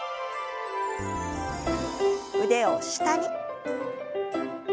腕を下に。